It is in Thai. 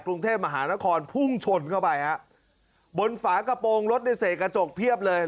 กรุงเทพมหานครพุ่งชนเข้าไปฮะบนฝากระโปรงรถในเสกกระจกเพียบเลย